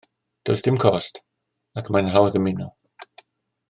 Does dim cost, ac mae'n hawdd ymuno